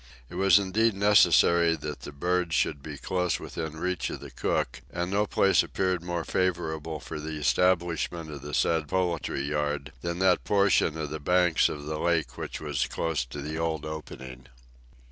It was indeed necessary that the birds should be close within reach of the cook, and no place appeared more favorable for the establishment of the said poultry yard than that portion of the banks of the lake which was close to the old opening.